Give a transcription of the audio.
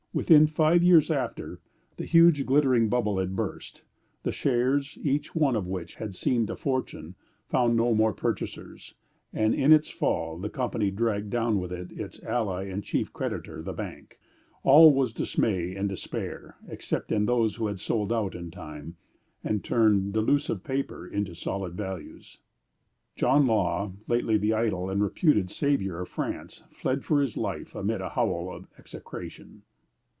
Within five years after, the huge glittering bubble had burst. The shares, each one of which had seemed a fortune, found no more purchasers, and in its fall the Company dragged down with it its ally and chief creditor, the bank. All was dismay and despair, except in those who had sold out in time, and turned delusive paper into solid values. John Law, lately the idol and reputed savior of France, fled for his life, amid a howl of execration.